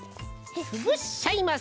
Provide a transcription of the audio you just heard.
つぶしちゃいます。